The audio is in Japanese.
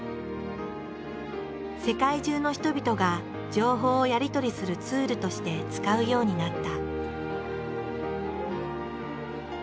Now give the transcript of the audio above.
世界中の人々が情報をやり取りするツールとして使うようになった。